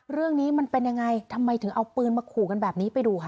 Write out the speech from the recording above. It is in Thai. เรื่องนี้มันเป็นยังไงทำไมถึงเอาปืนมาขู่กันแบบนี้ไปดูค่ะ